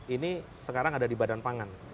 ini sekarang ada di badan pangan